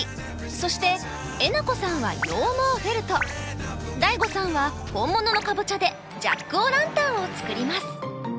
そしてえなこさんは羊毛フェルトＤＡＩＧＯさんは本物のカボチャでジャック・オ・ランタンを作ります。